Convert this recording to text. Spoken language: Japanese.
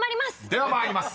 ［では参ります。